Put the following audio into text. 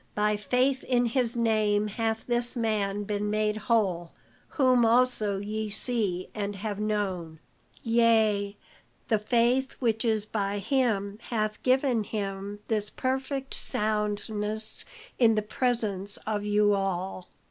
By faith in his name hath this man been made whole, whom also ye see and have known. Yea, the faith which is by him hath given him this perfect soundness in the presence of you all.